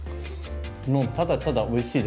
もうただただおいしいです。